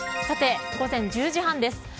さて、午前１０時半です。